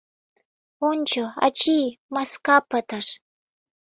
Ончо, ачий, маска пытыш.